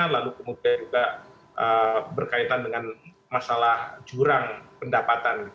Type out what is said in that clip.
lalu kemudian juga berkaitan dengan masalah jurang pendapatan